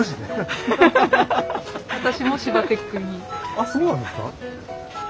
あっそうなんですか！